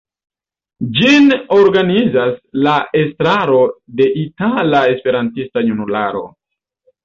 Ĝin organizas la estraro de Itala Esperantista Junularo.